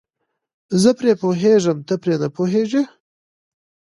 زه پرې پوهېږم ته پرې نه پوهیږې.